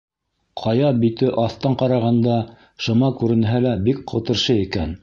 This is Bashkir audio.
Ҡая бите аҫтан ҡарағанда шыма күренһә лә, бик ҡытыршы икән.